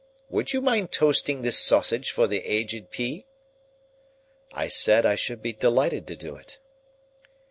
Would you mind toasting this sausage for the Aged P.?" I said I should be delighted to do it.